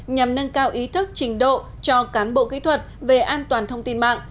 nhằm nâng cao ý thức trình độ cho cán bộ kỹ thuật về an toàn thông tin mạng